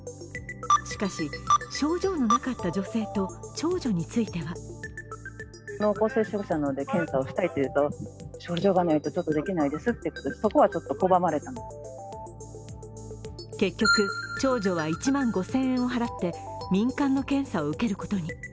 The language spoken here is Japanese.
しかし、症状のなかった女性と長女については結局、長女は１万５０００円を払って民間の検査を受けることに。